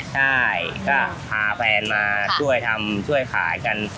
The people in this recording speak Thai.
ใช่ก็พาแฟนมาช่วยทำช่วยขายกัน